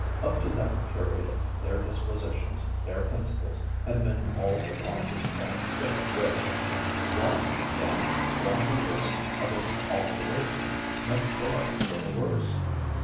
Up to that period their dispositions, their principles, had been all the fondest parent could have wished. Why, then, run the risk of an alteration, necessarily for the worse?